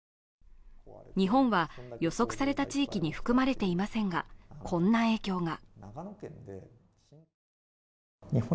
日本は予測された地域に含まれていませんがこんな影響が。